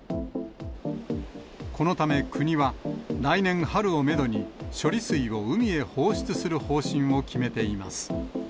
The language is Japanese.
このため、国は来年春をメドに、処理水を海へ放出する方針を決めています。